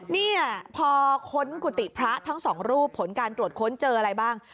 เนี่ยพอค้นกุฏิพระทั้งสองรูปผลการตรวจค้นเจออะไรบ้าง